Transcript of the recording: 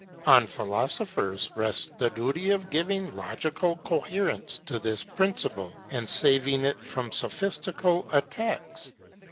On philosophers rests the duty of giving logical coherence to this principle, and saving it from sophistical attacks.